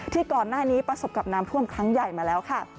ที่ก่อนหน้านี้ประสบกับน้ำท่วมครั้งใหญ่มาแล้วค่ะ